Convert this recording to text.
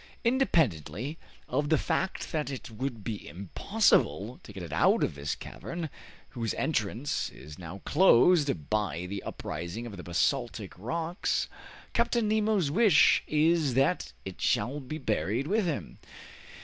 Independently of the fact that it would be impossible to get it out of this cavern, whose entrance is now closed by the uprising of the basaltic rocks, Captain Nemo's wish is that it shall be buried with him.